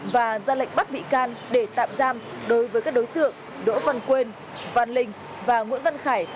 và ra lệnh bắt bị can để tạm giam đối với các đối tượng đỗ văn quên văn linh và nguyễn văn khải